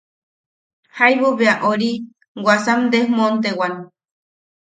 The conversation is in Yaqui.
Jaibu bea ori wasam desmontewan.